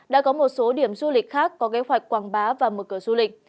đã có một số điểm du lịch khác có kế hoạch quảng bá và mở cửa du lịch